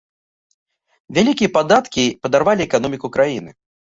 Вялікія падаткі падарвалі эканоміку краіны.